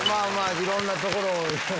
いろんなところを。